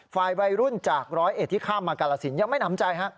ฝ่ายวัยรุ่นจากร้อยเอธิค่ามากรสินยังไม่ถามใจ